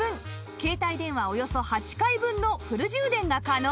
携帯電話およそ８回分のフル充電が可能